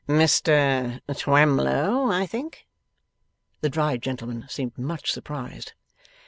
'Mr Twemlow, I think?' The dried gentleman seemed much surprised.